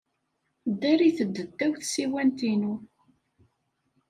Ddarit-d ddaw tsiwant-inu.